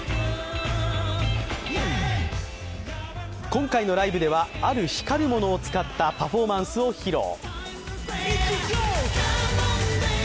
今回のライブで、ある光る物を使ったパフォーマンスを披露。